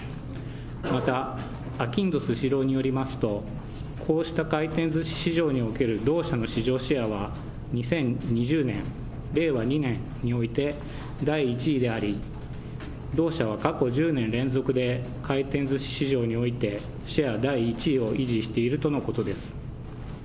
また、あきんどスシローによりますと、こうした回転ずし市場における同社の市場シェアは、２０２０年・令和２年において第１位であり、同社は過去１０年連続で、回転ずし市場において、シェア第１位を維持しているとのことです。